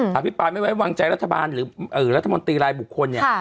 อภิปรายไม่ไว้วางใจรัฐบาลหรือรัฐมนตรีรายบุคคลเนี่ย